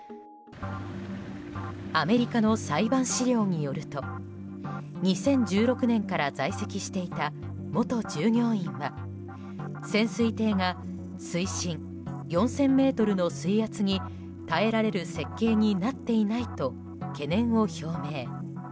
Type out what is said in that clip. アメリカの裁判資料によると２０１６年から在籍していた元従業員は潜水艇が水深４０００ｍの水圧に耐えられる設計になっていないと懸念を表明。